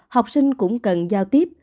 học sinh cũng cần giao tiếp